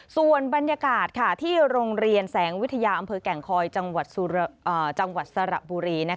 ส่วนบรรยากาศที่โรงเรียนแสงวิทยาอำเภอแก่งคอยจังหวัดสระบุรี